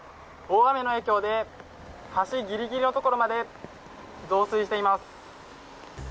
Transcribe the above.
大雨の影響で、橋ギリギリのところまで増水しています。